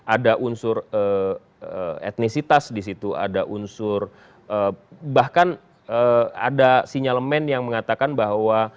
ada unsur etnisitas di situ ada unsur bahkan ada sinyalemen yang mengatakan bahwa